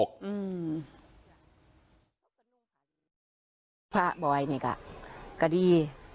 ลูกภารกิจภาพบ่อยนี่ค่ะก็ดี